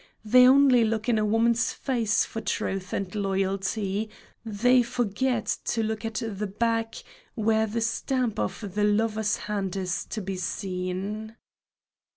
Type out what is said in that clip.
They only look in a woman's face for truth and loyalty; they forget to look at the back where the stamp of the lover's hand is to be seen."